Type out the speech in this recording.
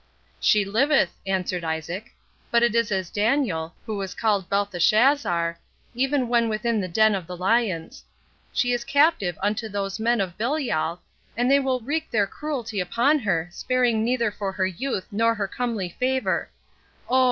"She liveth," answered Isaac; "but it is as Daniel, who was called Beltheshazzar, even when within the den of the lions. She is captive unto those men of Belial, and they will wreak their cruelty upon her, sparing neither for her youth nor her comely favour. O!